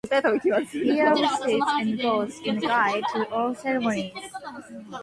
Fear of spirits and ghosts is the guide to all ceremonies.